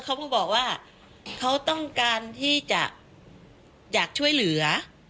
เขาบอกว่าเขาต้องการที่จะอยากช่วยเหลือ